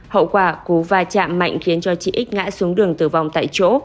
hậu quả cú va chạm mạnh khiến cho chị x ngã xuống đường tử vong tại chỗ